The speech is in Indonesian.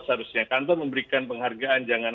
seharusnya kantor memberikan penghargaan jangan